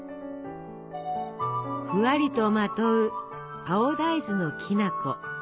ふわりとまとう青大豆のきな粉。